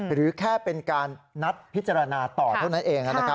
หรือแค่เป็นการนัดพิจารณาต่อเท่านั้นเอง